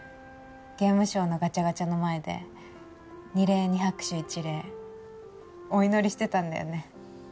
ゲームショーのガチャガチャの前で二礼二拍手一礼お祈りしてたんだよね